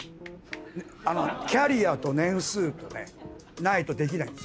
キャリアと年数とねないとできないんですよ。